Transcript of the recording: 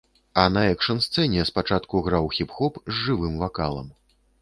А на экшн-сцэне спачатку граў хіп-хоп з жывым вакалам.